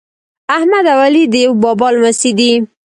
احمد او علي د یوه بابا لمسي دي.